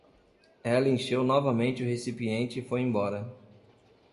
Ela encheu novamente o recipiente e foi embora.